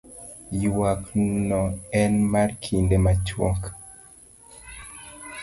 ywak no en mar kinde machuok